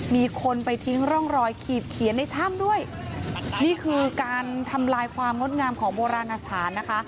มีคนไปทิ้งร่องรอยขีดเขียนในถ้ำด้วยนี่คือการทำลายความงดงามของโบราณสถานนะคะ